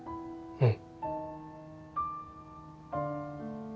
うん。